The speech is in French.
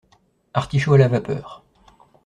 Artichauts à la vapeur